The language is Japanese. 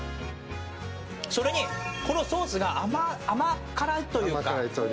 それにこのソースが甘辛いというか。